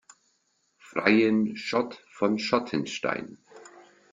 Freiin Schott von Schottenstein.